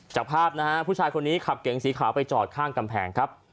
จากภาพผู้ชายคนนี้ขับเก่งของสีขาวไปจอดข้างแปลงครับ